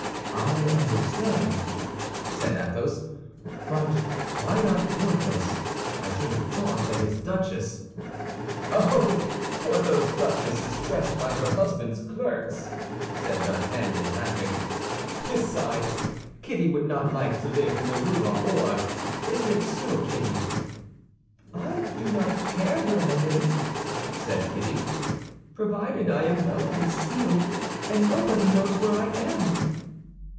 "I understand," said Athos; "but why not Porthos? I should have thought that his duchess—" "Oh, Porthos's duchess is dressed by her husband's clerks," said D'Artagnan, laughing. "Besides, Kitty would not like to live in the Rue aux Ours. Isn't it so, Kitty?" "I do not care where I live," said Kitty, "provided I am well concealed, and nobody knows where I am."